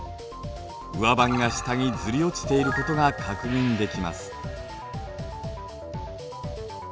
上盤が下にずり落ちていることが確認できます。